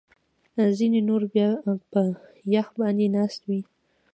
ځینې نور بیا په یخ باندې ناست وي